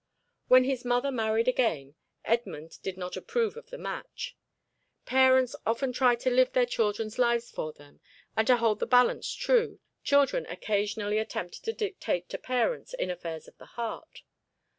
When his mother married again, Edmund did not approve of the match. Parents often try to live their children's lives for them, and to hold the balance true, children occasionally attempt to dictate to parents in affairs of the heart.